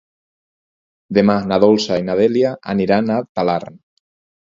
Demà na Dolça i na Dèlia aniran a Talarn.